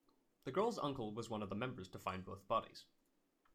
The girls' uncle was one of the members to find both bodies.